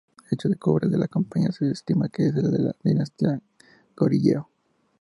Hecha de cobre de la campana se estima que es de la dinastía Goryeo.